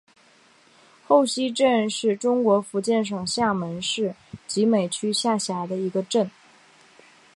后溪镇是中国福建省厦门市集美区下辖的一个镇。